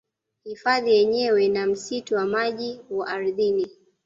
Hifadhi yenyewe na msitu wa maji wa ardhini